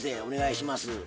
お願いします。